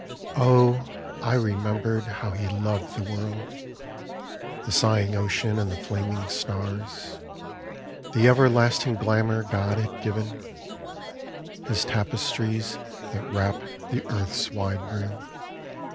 O, I remembered how he loved the world. The sighing ocean and the flaming stars. The everlasting glamour God had given — His tapestries that wrap the earth's wide room.